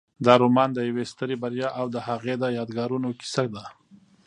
دا رومان د یوې سترې بریا او د هغې د یادګارونو کیسه ده.